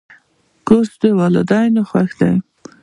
کورس د والدینو خوښي ده.